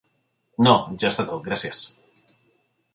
No, ja està tot, gràcies.